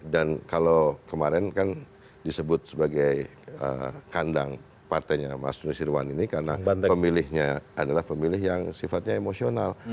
dan kalau kemarin kan disebut sebagai kandang partainya mas tunis sirwan ini karena pemilihnya adalah pemilih yang sifatnya emosional